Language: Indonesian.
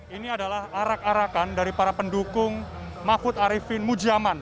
ini adalah arak arakan dari para pendukung mahfud arifin mujaman